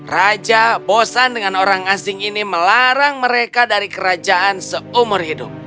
raja bosan dengan orang asing ini melarang mereka dari kerajaan seumur hidup